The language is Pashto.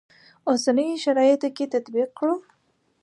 اوسنیو شرایطو کې تطبیق کړو.